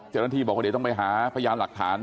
เจ้าหน้าที่บอกว่าเดี๋ยวต้องไปหาพยานหลักฐาน